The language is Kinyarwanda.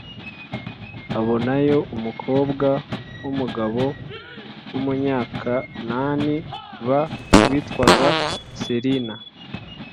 abonayo umukobwa w umugabo w Umunyakananib witwaga serina